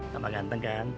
sampai ganteng kan